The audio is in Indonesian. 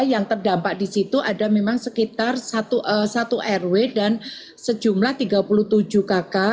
yang terdampak di situ ada memang sekitar satu rw dan sejumlah tiga puluh tujuh kakak